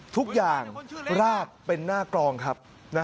ทุกอย่างรากเป็นหน้ากลองครับ